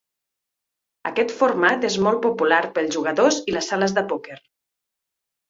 Aquest format és molt popular pels jugadors i les sales de pòquer.